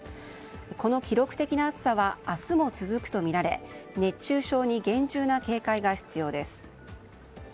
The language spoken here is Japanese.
この記録的な暑さは明日も続くとみられ熱中症に厳重な警戒が必要です。